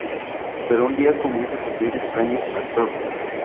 Pero un día comienza a sufrir extraños trastornos.